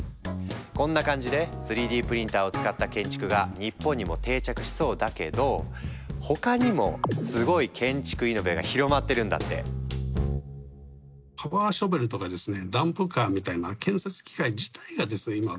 こんな感じで３Ｄプリンターを使った建築が日本にも定着しそうだけど他にもすごい建築イノベが広まってるんだって。ということが言えますね。